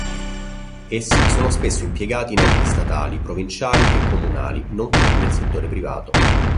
Essi sono spesso impiegati in enti statali, provinciali e comunali, nonché nel settore privato.